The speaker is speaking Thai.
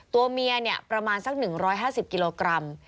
ตัวเมียประมาณสัก๑๕๐กิโลกรัม